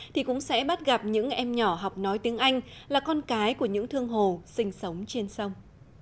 thì cũng sẽ bắt gặp những em nhỏ học nói tiếng anh là con cái của những thương hồ sinh sống trên sông